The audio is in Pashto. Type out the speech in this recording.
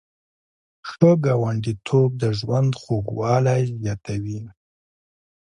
ښه ګاونډیتوب د ژوند خوږوالی زیاتوي.